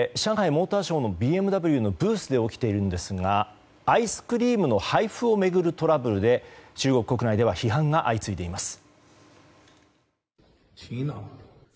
モーターショーのＢＭＷのブースで起きているんですがアイスクリームの配布を巡るトラブルで中国国内では批判が相次いでいます。